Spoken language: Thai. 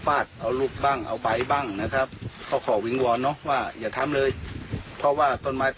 ฟังแล้วน่าเห็นใจนะ